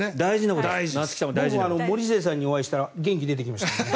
僕も森末さんにお会いしたら元気出てきました。